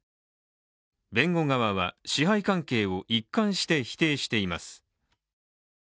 弁護側は支配関係を一貫して否定しています。